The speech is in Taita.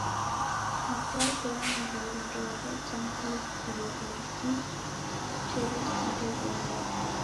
Mkwape wa imbiri ndooretambukiloghe ni kii cheresindebonyeka.